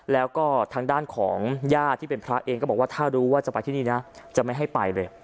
แล้วก็ทางด้านของญาติที่เป็นพระเองก็บอกว่าถ้ารู้ว่าจะไปที่นี่นะจะไม่ให้ไปเลย